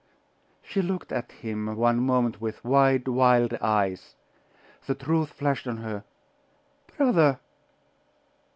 She looked at him one moment with wide, wild eyes The truth flashed on her 'Brother!